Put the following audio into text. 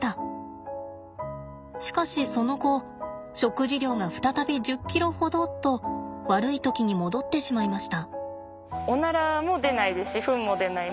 しかしその後食事量が再び１０ｋｇほどと悪い時に戻ってしまいました。